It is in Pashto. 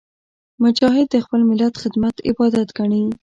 مجاهد د خپل ملت خدمت عبادت ګڼي.